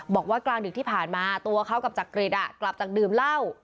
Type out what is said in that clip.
กลางดึกที่ผ่านมาตัวเขากับจักริตกลับจากดื่มเหล้า